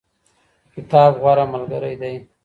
کتاب غوره ملګری دی.